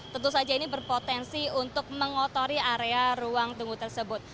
tentu saja ini berpotensi untuk mengotori area ruang tunggu tersebut